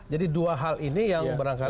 jadi dua hal ini yang berangkat